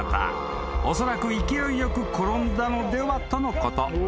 ［おそらく「勢いよく転んだのでは？」とのこと］